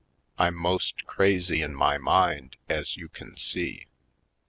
I'm most crazy in my mind, ez you kin see!